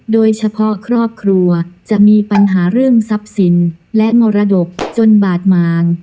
โดยเฉพาะครอบครัวจะมีปัญหาเรื่องทรัพย์สินและมรดกจนบาดหมาง